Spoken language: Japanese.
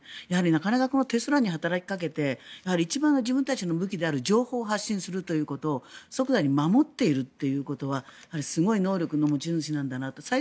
やはりなかなかテスラに働きかけて一番自分たちの武器である情報を発信するということを即座に守っているということはすごい能力の持ち主なんだなと。